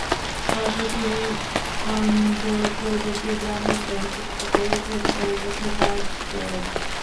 তারপরে তিনি অন্ধ্র প্রগতি গ্রামীণ ব্যাংকে ম্যানেজার হিসাবে কয়েক বছর কাজ করেন।